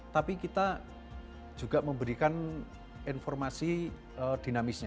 tapi kita juga memberikan informasi dinamisnya